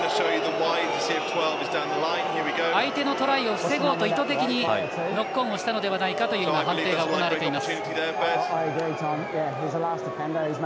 相手のトライを防ごうと意図的にノックオンをしたのではないかというような判定が行われています。